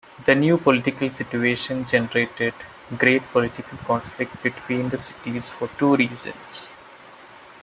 The new political situation generated great political conflict between the cities for two reasons.